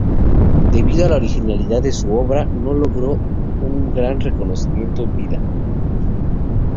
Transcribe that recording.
Debido a la originalidad de su obra, no logró un gran reconocimiento en vida.